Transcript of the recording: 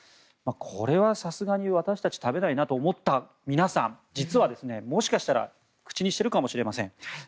これはさすがに私たち食べないなと思った皆さん実は、もしかしたら口にしているかもしれません。